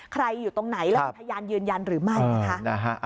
อยู่ตรงไหนแล้วมีพยานยืนยันหรือไม่นะคะ